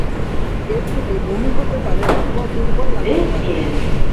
এর থেকে বমি হতে পারে অথবা দুর্বল লাগতে পারে।